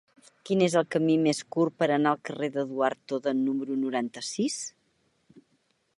Quin és el camí més curt per anar al carrer d'Eduard Toda número noranta-sis?